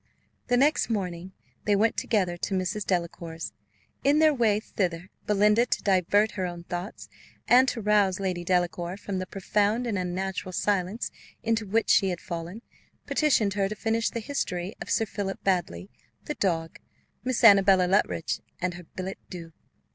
The next morning they went together to Mrs. Delacour's. In their way thither, Belinda, to divert her own thoughts, and to rouse Lady Delacour from the profound and unnatural silence into which she had fallen, petitioned her to finish the history of Sir Philip Baddely, the dog, Miss Annabella Luttridge, and her billet doux.